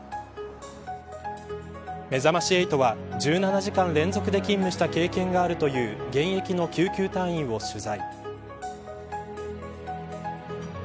めざまし８は１７時間連続で勤務した経験があるという現役の救急隊員を取材。